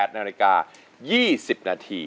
๘นาฬิกา๒๐นาที